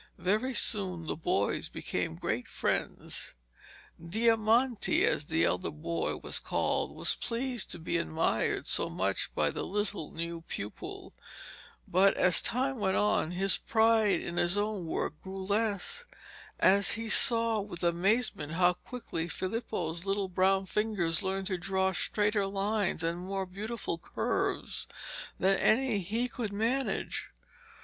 Very soon the boys became great friends. Diamante, as the elder boy was called, was pleased to be admired so much by the little new pupil; but as time went on, his pride in his own work grew less as he saw with amazement how quickly Filippo's little brown fingers learned to draw straighter lines and more beautiful curves than any he could manage.